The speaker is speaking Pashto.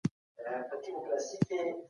که موبایل دي روښانه وي نو درس دي تکرار کړه.